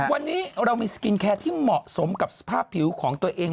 วันนี้เรามีสกินแคร์ที่เหมาะสมกับสภาพผิวของตัวเอง